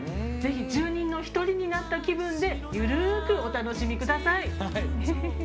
ぜひ住人の一人になった気分でゆるーく、お楽しみください。